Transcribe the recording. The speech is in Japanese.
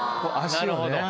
なるほど。